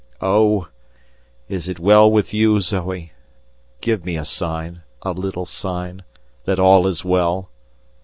Oh! is it well with you, Zoe? Give me a sign a little sign that all is well.